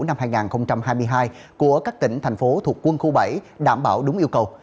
năm hai nghìn hai mươi hai của các tỉnh thành phố thuộc quân khu bảy đảm bảo đúng yêu cầu